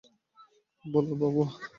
বলো, বাবুয়া।